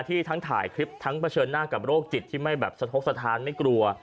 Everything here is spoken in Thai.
ทั้งถ่ายคลิปทั้งเผชิญหน้ากับโรคจิตที่ไม่แบบสะทกสถานไม่กลัว